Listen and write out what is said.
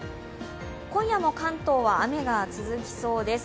今夜も関東は雨が続きそうです。